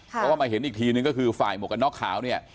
เพราะว่ามาเห็นอีกทีนึงก็คือฝ่ายหมวกกันน็อกขาวเนี่ย